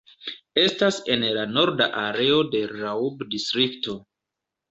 Estas en la norda areo de Raub-distrikto.